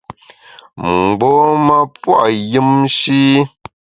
Mgbom-a pua’ yùmshi.